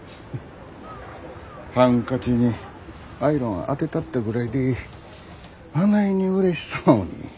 ハンカチにアイロンあてたったぐらいであないにうれしそうに。